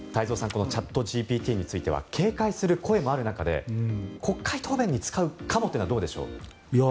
このチャットＧＰＴについては警戒する声もある中で国会答弁に使うかもしれないというのはどうでしょうか。